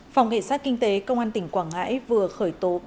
phòng kỳ sát kinh tế công an tp quảng ngãi vừa khởi tố